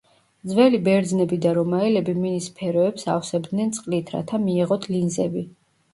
ძველი ბერძნები და რომაელები მინის სფეროებს ავსებდნენ წყლით, რათა მიეღოთ ლინზები.